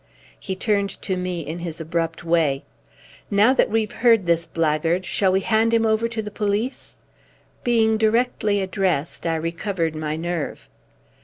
He turned to me in his abrupt way. "Now that we've heard this blackguard, shall we hand him over to the police?" Being directly addressed, I recovered my nerve.